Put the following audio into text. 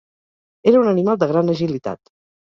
Era un animal de gran agilitat.